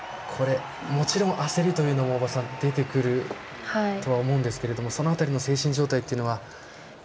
もちろん焦りというのは出てくるとは思うんですけどもその辺りの精神状態というのはどうですか。